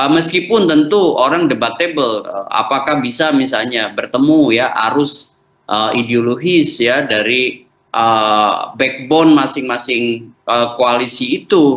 meskipun tentu orang debatable apakah bisa misalnya bertemu ya arus ideologis ya dari backbone masing masing koalisi itu